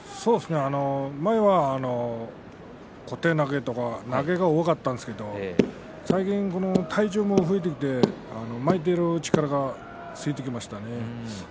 前は小手投げとか投げが多かったんですけど最近、体重も増えてきて前に出る力がついてきましたね。